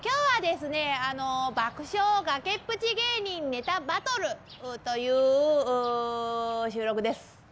あの「爆笑崖っぷち芸人ネタバトル」という収録です。